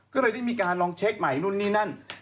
ก็เลยได้มีการลองเช็คใหม่นู่นนี่นั่น